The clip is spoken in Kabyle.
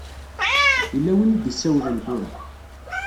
Yella win i d-isawlen tura.